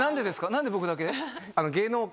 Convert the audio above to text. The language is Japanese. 何で僕だけ？